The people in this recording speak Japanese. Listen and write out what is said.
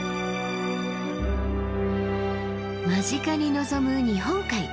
間近に望む日本海。